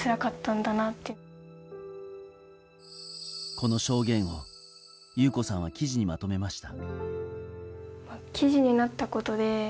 この証言を裕子さんは記事にまとめました。